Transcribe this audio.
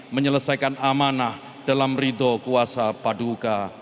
menyelesaikan amanah dalam ridho kuasa paduka